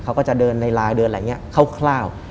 เขาก็จะเดินในไลน์เดินอะไรอย่างนี้คร่าว